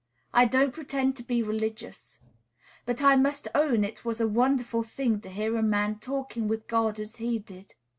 I don't pretend to be religious; but I must own it was a wonderful thing to hear a man talking with God as he did.